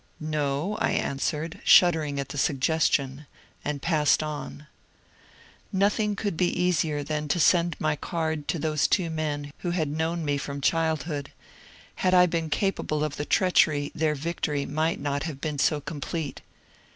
"No," I answered, shuddering at the suggestion, and passed on. Nothing could be easier than to send my card to those two men who had known me from childhood ; had I been capable of the treachery their victory might not have been so com plete.